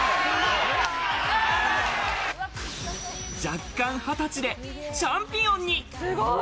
弱冠２０歳でチャンピオンに。